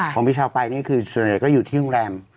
ของพี่เช้าไปนี่คือส่วนใหญ่ก็อยู่ที่โรงแรม